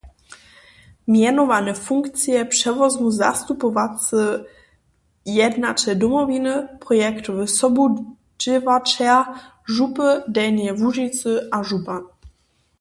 Mjenowane funkcije přewozmu zastupowacy jednaćel Domowiny, projektowy sobudźěłaćer župy Delnja Łužica a župan.